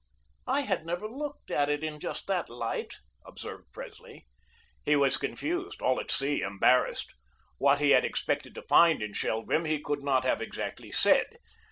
"I had never looked at it in just that light," observed Presley. He was confused, all at sea, embarrassed. What he had expected to find in Shelgrim, he could not have exactly said.